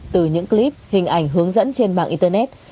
từ những clip hình ảnh hướng dẫn trên mạng internet